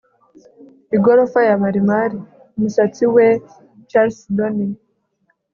igorofa ya marimari, umusatsi we chalcedony